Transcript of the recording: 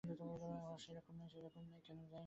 আমরা সেরকম নই।